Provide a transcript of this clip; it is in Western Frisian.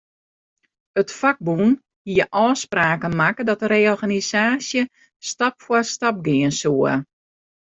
It fakbûn hie ôfspraken makke dat de reorganisaasje stap foar stap gean soe.